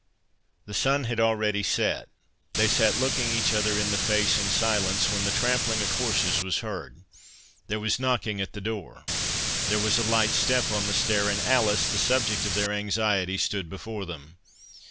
The sun had already set—they sat looking each other in the face in silence, when the trampling of horses was heard—there was knocking at the door—there was a light step on the stair, and Alice, the subject of their anxiety, stood before them.